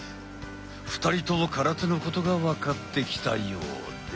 ２人とも空手のことが分かってきたようで。